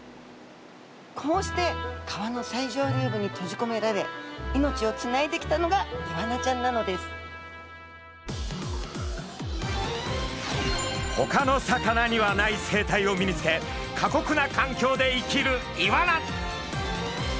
こうして川の最上流部に閉じこめられ命をつないできたのがイワナちゃんなのですほかの魚にはない生態を身につけ過酷な環境で生きるイワナ。